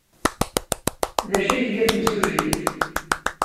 D acu ay tga temsujjit?